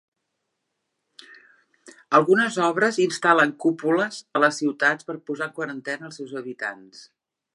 Algunes obres instal·len "cúpules" a les ciutats per posar en quarantena els seus habitants.